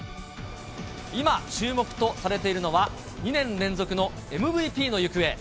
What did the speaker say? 今、注目とされているのは、２年連続のＭＶＰの行方。